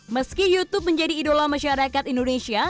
meski youtube menjadi idola masyarakat indonesia